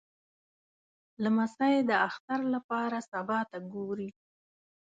لمسی د اختر لپاره سبا ته ګوري.